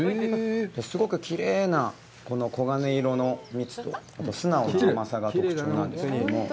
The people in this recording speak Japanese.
すごくきれいな、この黄金色の蜜と、素直な甘さが特徴なんですけれども。